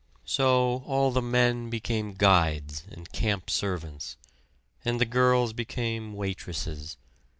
So all the men became "guides" and camp servants, and the girls became waitresses.